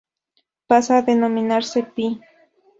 Pasa a denominarse Pl.